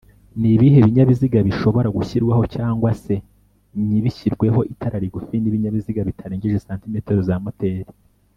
Nibihe binyabiziga bishobora gushyirwaho cg se nyibishyirweho itara rigufi nibinyabiziga bitarengeje cm za moteri